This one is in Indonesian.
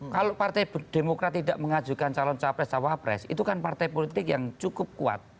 kalau partai demokrat tidak mengajukan calon capres cawapres itu kan partai politik yang cukup kuat